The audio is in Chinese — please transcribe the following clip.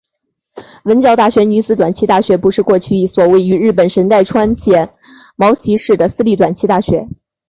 文教大学女子短期大学部是过去一所位于日本神奈川县茅崎市的私立短期大学。